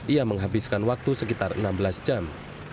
ia menghabiskan waktu sekitar enam belas jam